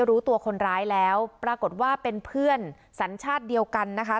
รู้ตัวคนร้ายแล้วปรากฏว่าเป็นเพื่อนสัญชาติเดียวกันนะคะ